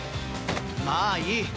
まあいい！